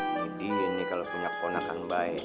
gede ini kalo punya keponakan baik